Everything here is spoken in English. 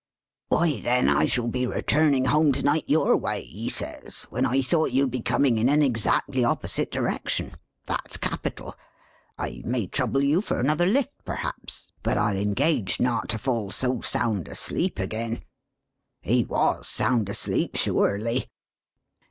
'Why, then I shall be returning home to night your way,' he says, 'when I thought you'd be coming in an exactly opposite direction. That's capital. I may trouble you for another lift perhaps, but I'll engage not to fall so sound asleep again.' He was sound asleep, sure ly!